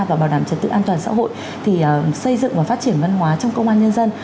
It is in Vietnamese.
và bảo đảm trật tự an toàn xã hội thì xây dựng và phát triển văn hóa trong công an nhân dân